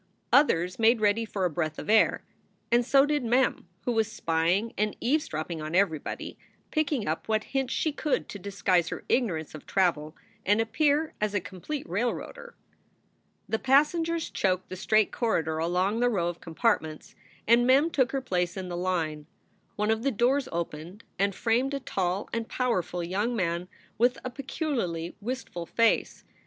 Others made ready for a breath of air. And so did Mem, who was spying and eaves dropping 011 everybody, picking up what hints she could to disguise her ignorance of travel and appear as a complete railroader. The passengers choked the straight corridor along the row of compartments, and Mem took her place in the line. One of the doors opened and framed a tall and powerful young man with a peculiarly wistful face.